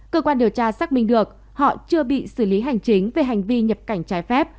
cơ quan điều tra xác minh được họ chưa bị xử lý hành chính về hành vi nhập cảnh trái phép